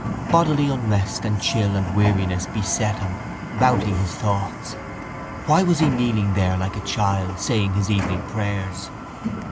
Bodily unrest and chill and weariness beset him, routing his thoughts. Why was he kneeling there like a child saying his evening prayers?